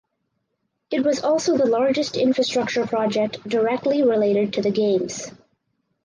It was also the largest infrastructure project directly related to the Games.